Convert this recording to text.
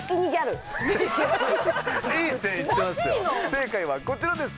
正解はこちらです！